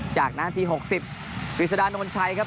จากนั้นทีหกสิบบริษดานนวลชัยครับ